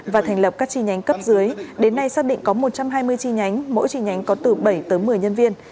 và thành lập các chi nhánh cấp dưới đến nay xác định có một trăm hai mươi chi nhánh mỗi chi nhánh có từ bảy tới một mươi nhân viên